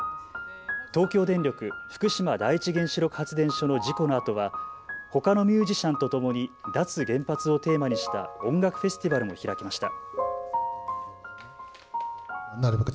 東京電力福島第一原子力発電所の事故のあとはほかのミュージシャンとともに脱原発をテーマにした音楽フェスティバルも開きました。